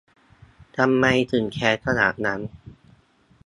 ทำไมถึงแค้นขนาดนั้น